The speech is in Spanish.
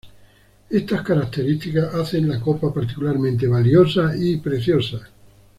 Estas características hacen la copa particularmente valiosa y preciosa.